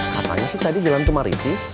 katanya sih tadi jalan tuh maritis